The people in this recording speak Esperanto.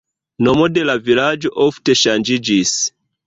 Nomo de la vilaĝo ofte ŝanĝiĝis.